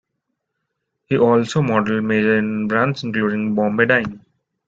He also modeled major Indian brands including Bombay Dyeing.